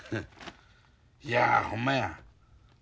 いやほんまや。